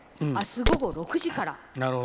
あす午後６時から。